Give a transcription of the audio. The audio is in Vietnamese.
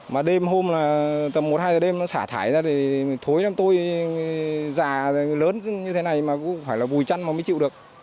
mà đêm hôm là tầm một hai giờ đêm nó xả thải ra thì thối em tôi già lớn như thế này mà cũng phải là vùi chăn mà mới chịu được